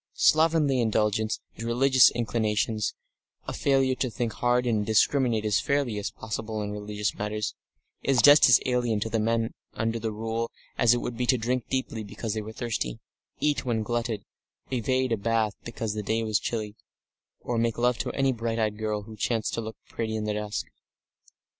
Slovenly indulgence in religious inclinations, a failure to think hard and discriminate as fairly as possible in religious matters, is just as alien to the men under the Rule as it would be to drink deeply because they were thirsty, eat until glutted, evade a bath because the day was chilly, or make love to any bright eyed girl who chanced to look pretty in the dusk.